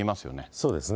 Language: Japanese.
そうですね。